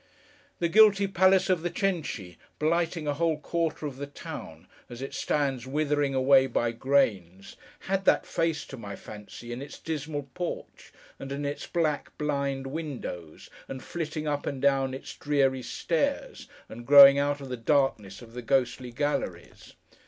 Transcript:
The guilty palace of the Cenci: blighting a whole quarter of the town, as it stands withering away by grains: had that face, to my fancy, in its dismal porch, and at its black, blind windows, and flitting up and down its dreary stairs, and growing out of the darkness of the ghostly galleries.